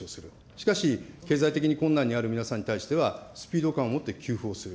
しかし経済的に困難にある皆さんに対しては、スピード感をもって給付をする。